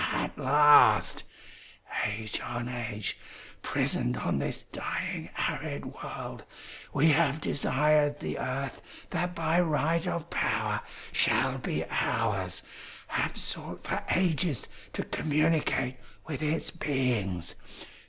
At last! Age on age, prisoned on this dying, arid world, we have desired the earth that by right of power shall be ours, have sought for ages to communicate with its beings.